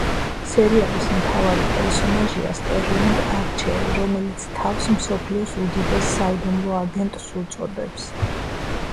სერიალის მთავარი პერსონაჟია სტერლინგ არჩერი, რომელიც თავს „მსოფლიოს უდიდეს საიდუმლო აგენტს“ უწოდებს.